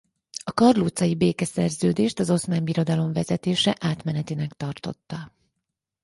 A karlócai békeszerződést az Oszmán Birodalom vezetése átmenetinek tartotta.